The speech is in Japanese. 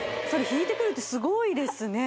ひいてくるってすごいですね